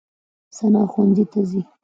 ثنا ښوونځي ته ځي.